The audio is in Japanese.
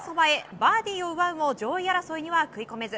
バーディーを奪うも上位争いには食い込めず。